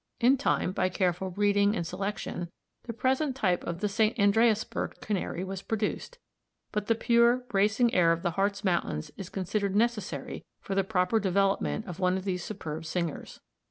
In time, by careful breeding and selection, the present type of the St. Andreasberg Canary was produced, but the pure, bracing air of the Hartz Mountains is considered necessary for the proper development of one of these superb singers.